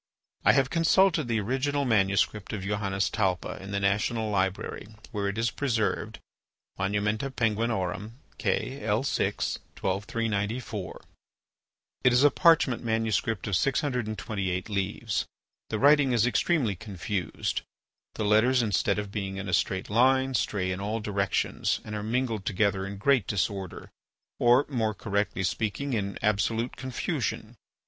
I have consulted the original manuscript of Johannes Talpa in the National Library, where it is preserved (Monumenta Peng., K. _L_6., 12390 four). It is a parchment manuscript of 628 leaves. The writing is extremely confused, the letters instead of being in a straight line, stray in all directions and are mingled together in great disorder, or, more correctly speaking, in absolute confusion.